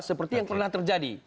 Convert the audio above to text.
seperti yang pernah terjadi